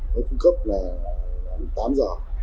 nó cung cấp là lúc tám giờ